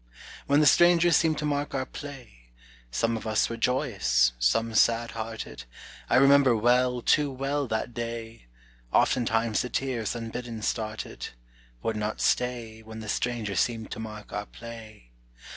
When the stranger seemed to mark our play, Some of us were joyous, some sad hearted, I remember well, too well, that day! Oftentimes the tears unbidden started, Would not stay When the stranger seemed to mark our play.